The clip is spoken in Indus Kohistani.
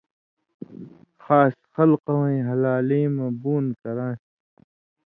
خاص خلکہ وَیں ہلالیں مہ بُون کران٘سیۡ